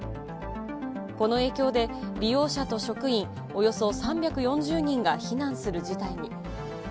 この影響で、利用者と職員およそ３４０人が避難する事態に。